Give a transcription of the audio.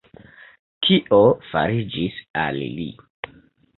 Kio fariĝis al li?